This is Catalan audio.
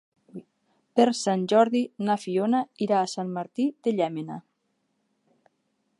Per Sant Jordi na Fiona irà a Sant Martí de Llémena.